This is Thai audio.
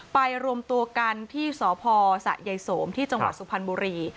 รวมตัวกันที่สพสะยายโสมที่จังหวัดสุพรรณบุรี